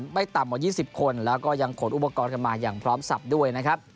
ไม่ต่ำกว่า๒๐คนแล้วก็ยังขนอุปกรณ์กันมาอย่างพร้อมสับด้วยนะครับ